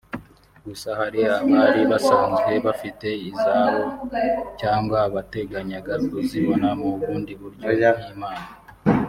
Gusa hari abari basanzwe bafite izabo cyangwa abateganyaga kuzibona mu bundi buryo nk’impano